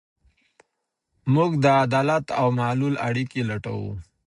موږ د علت او معلول اړیکي لټوو.